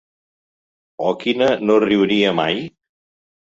O quina no riuria mai?